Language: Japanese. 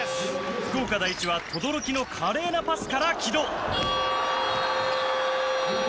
福岡第一は轟の華麗なパスから城戸！